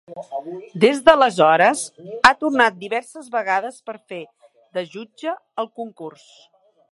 Des d'aleshores, ha tornat diverses vegades per fer de jutge al concurs.